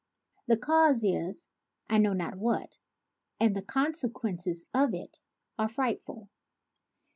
The cause is ' I know not what '; and the consequences of it are frightful.